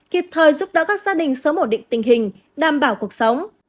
kịp thời giúp đỡ các gia đình sớm ổn định tình hình đảm bảo cuộc sống